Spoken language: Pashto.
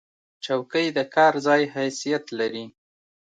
چوکۍ د کار ځای حیثیت لري.